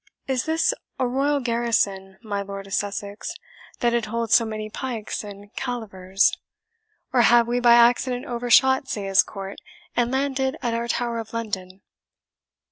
"Is this a royal garrison, my Lord of Sussex, that it holds so many pikes and calivers? or have we by accident overshot Sayes Court, and landed at Our Tower of London?"